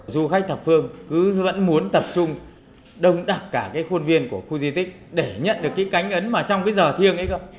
du khách thập phương cứ vẫn muốn tập trung đông đặc cả cái khuôn viên của khu di tích để nhận được cái cánh ấn mà trong cái giờ thiêng ấy không